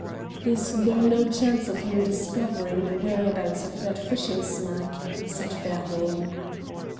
"Is there no chance of your discovering the whereabouts of that fishing smack?" said Fairholme.